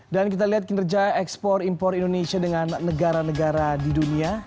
dan kita lihat kinerja ekspor impor indonesia dengan negara negara di dunia